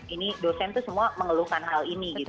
ini dosen itu semua mengeluhkan hal ini gitu